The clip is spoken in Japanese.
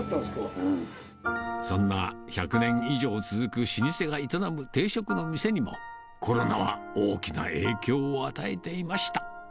そんな１００年以上続く老舗が営む定食の店にも、コロナは大きな影響を与えていました。